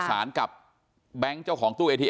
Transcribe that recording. อันนี้แม่งอียางเนี่ย